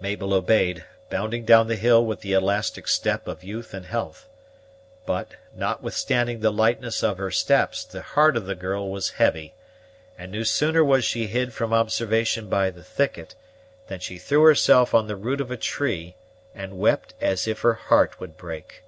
Mabel obeyed, bounding down the hill with the elastic step of youth and health. But, notwithstanding the lightness of her steps, the heart of the girl was heavy, and no sooner was she hid from observation by the thicket, than she threw herself on the root of a tree and wept as if her heart would break.